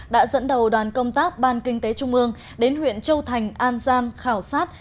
đã dẫn đầu đoàn công tác ban kinh tế trung mương đến huyện châu thành an gian khảo sát